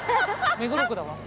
目黒区だわ。